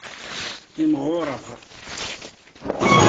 Imɣureɣ.